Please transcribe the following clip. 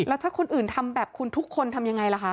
แล้วถ้าคนอื่นทำแบบคุณทุกคนทำยังไงล่ะคะ